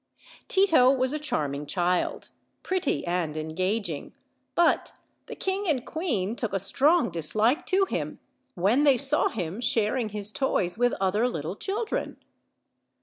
Tito was a charming child, pretty and engaging, but the king and queen took a strong dislike to him when they saw him sharing his toys with othei little children.